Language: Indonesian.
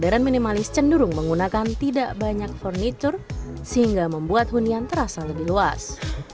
modern minimalis cenderung menggunakan tidak banyak furnitur sehingga membuat hunian terasa lebih luas